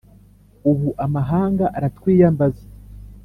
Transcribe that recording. ubu amahanga aratwiyambaza